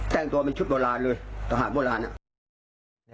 แต่งตัวเป็นชุดโบราณเลยทหารโบราณอ่ะ